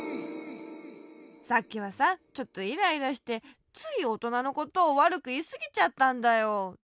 さっきはさちょっとイライラしてついおとなのことをわるくいいすぎちゃったんだよ。